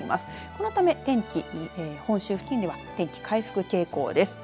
このため天気、本州付近では天気、回復傾向です。